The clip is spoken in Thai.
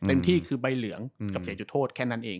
ก็ผิกแบบใบเหลืองกับเสียจุโทษแค่นั้นเอง